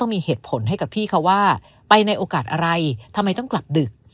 มีเหตุผลให้กับพี่เขาว่าไปในโอกาสอะไรทำไมต้องกลับดึก